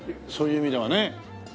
そういう意味ではね。